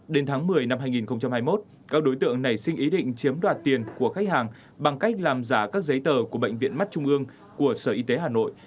đến tháng một mươi năm hai nghìn hai mươi một các đối tượng nảy sinh ý định chiếm đoạt tiền của khách hàng bằng cách làm giả các giấy tờ của bệnh viện mắt trung ương của sở y tế hà nội